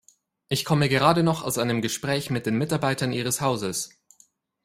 Ich komme gerade noch aus einem Gespräch mit den Mitarbeitern Ihres Hauses.